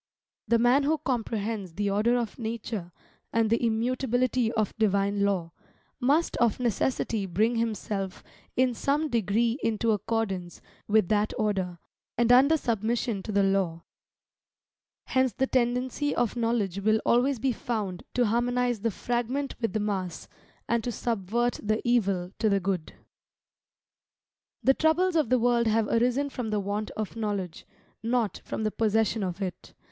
The man who comprehends the order of Nature, and the immutability of Divine law, must of necessity bring himself in some degree into accordance with that order, and under submission to the law: hence the tendency of knowledge will always be found to harmonise the fragment with the mass, and to subvert the evil to the good. The troubles of the world have arisen from the want of knowledge, not from the possession of it.